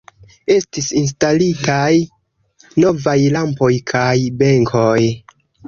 Estis instalitaj novaj lampoj kaj benkoj.